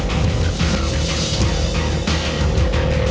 gue gak terima boy